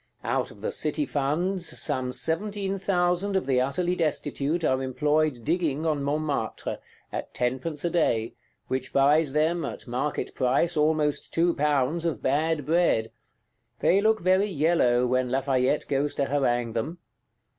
Out of the City funds, some seventeen thousand of the utterly destitute are employed digging on Montmartre, at tenpence a day, which buys them, at market price, almost two pounds of bad bread;—they look very yellow, when Lafayette goes to harangue them.